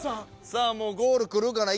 さあもうゴール来るかな？